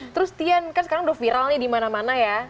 terus tian kan sekarang udah viral nih di mana mana ya